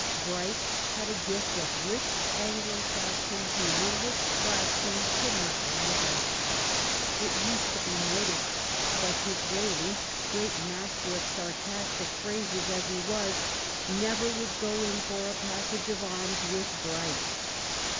Bright had a gift of rich Anglo Saxon humor which Gladstone could not rival. It used to be noticed that Disraeli, great master of sarcastic phrases as he was, never would go in for a passage of arms with Bright.